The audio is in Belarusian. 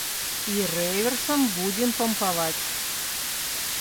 І рэверсам будзем пампаваць.